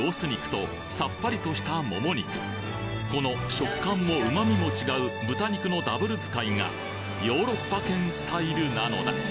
この食感も旨みも違う豚肉のダブル使いがヨーロッパ軒スタイルなのだ